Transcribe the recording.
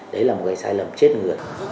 đấy là một cái sai lầm chết người